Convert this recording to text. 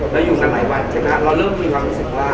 แล้วอยู่กันหลายวันเราเริ่มมีความรู้สึกว่า